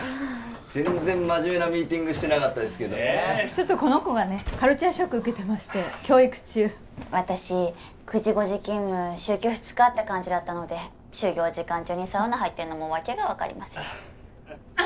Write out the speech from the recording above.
全然真面目なミーティングしてなかったですけどちょっとこの子がねカルチャーショック受けてまして教育中私９時５時勤務週休２日って感じだったので就業時間中にサウナ入ってるのもわけが分かりませんあ